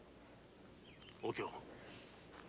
お京